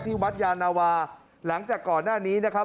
วัดยานาวาหลังจากก่อนหน้านี้นะครับ